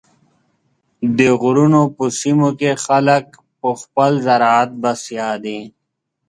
د غرونو په سیمو کې خلک په خپل زراعت بسیا دي.